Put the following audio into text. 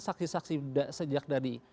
saksi saksi sejak dari